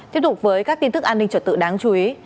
tiếp tục với các tin tức an ninh trật tự đáng chú ý